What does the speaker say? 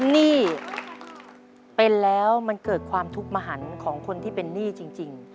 หนี้เป็นแล้วมันเกิดความทุกข์มหันของคนที่เป็นหนี้จริง